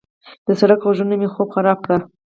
د سړک غږونه مې خوب خراب کړ.